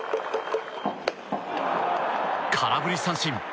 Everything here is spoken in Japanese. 空振り三振。